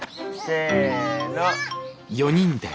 せの！